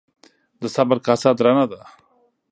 ـ د صبر کاسه درنه ده.